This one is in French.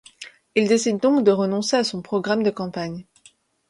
Il décide donc de renoncer à son programme de campagne.